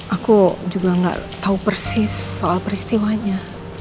aku juga gak tahu persis soal peristiwanya